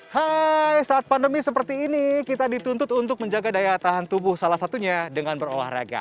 hai saat pandemi seperti ini kita dituntut untuk menjaga daya tahan tubuh salah satunya dengan berolahraga